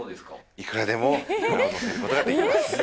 いくらでも、イクラを載せることができます！